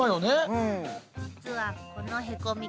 実はこのへこみ